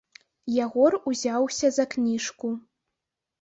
Ягор узяўся за кніжку.